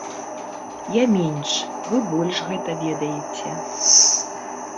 Я менш, вы больш гэта ведаеце.